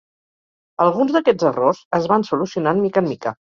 Alguns d’aquests errors es van solucionant mica en mica.